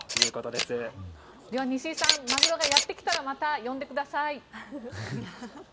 では、西井さんマグロがやってきたらまた呼んでください。